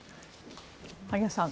萩谷さん。